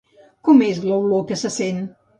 Com és l'olor que se sent?